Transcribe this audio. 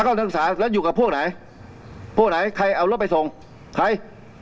นักศึกษาแล้วอยู่กับพวกไหนพวกไหนใครเอารถไปส่งใคร